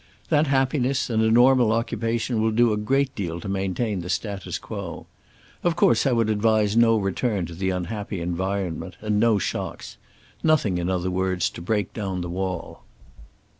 That happiness and a normal occupation will do a great deal to maintain the status quo. Of course I would advise no return to the unhappy environment, and no shocks. Nothing, in other words, to break down the wall."